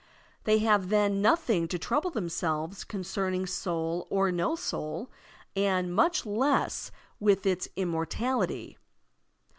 They have then nothing to trouble themselves concerning soul or no soul and much less with its immortality.